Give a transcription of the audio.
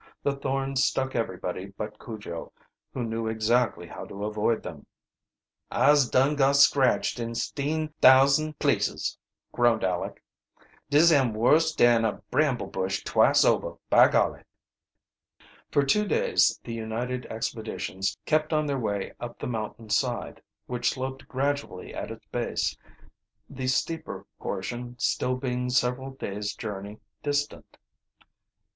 The thorns stuck everybody but Cujo, who knew exactly how to avoid them. "Ise dun got scratched in 'steen thousand places," groaned Aleck. "Dis am worse dan a bramble bush twice ober, by golly!" For two days the united expeditions kept on their way up the mountain side, which sloped gradually at its base, the steeper portion still being several days' journey distant.